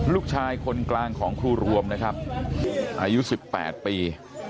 ลูกชายคนกลางของครูรวมนะครับอายุ๑๘ปี